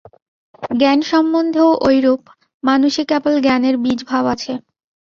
জ্ঞান সম্বন্ধেও ঐরূপ, মানুষে কেবল জ্ঞানের বীজ-ভাব আছে।